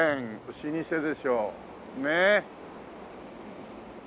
老舗でしょうねえ。